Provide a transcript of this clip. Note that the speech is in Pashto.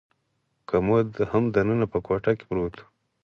کمود هم دننه په کوټه کې پروت و.